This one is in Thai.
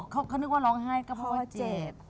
เขานึกว่าร้องไห้ก็เพราะว่าเจ็บ